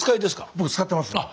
僕使ってますね。